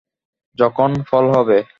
যখন ফল হবে।